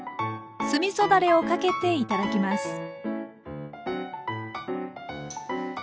酢みそだれをかけて頂きます。